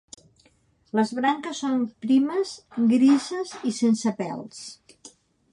Les branques són primes, grises i sense pèls.